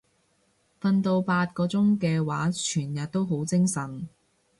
瞓到八個鐘嘅話全日都好精神